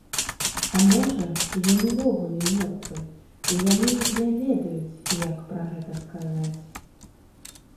А можа, ён увогуле мёртвы, і яны не ведаюць, як пра гэта сказаць.